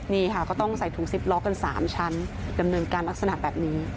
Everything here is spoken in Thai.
นี่ค่ะก็ต้องใส่ถุง๑๐ล้อกัน๓ชั้นดำเนินการลักษณะแบบนี้